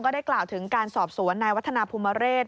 ได้กล่าวถึงการสอบสวนนายวัฒนาภูมิเรศ